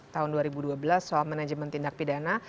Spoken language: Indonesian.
tahun dua ribu dua belas soal manajemen tindak pidana